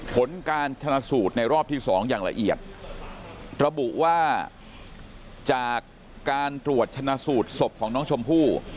ผลการชนะสูตรในรอบที่๒อย่างละเอียดระบุว่าจากการตรวจชนะสูตรศพของน้องชมพู่